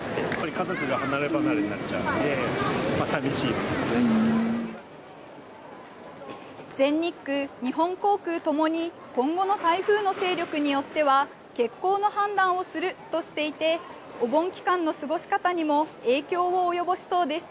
家族が離れ離れになっちゃうので、全日空、日本航空ともに、今後の台風の勢力によっては、欠航の判断をするとしていて、お盆期間の過ごし方にも影響を及ぼしそうです。